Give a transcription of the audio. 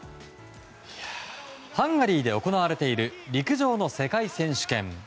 ハンガリーで行われている陸上の世界選手権。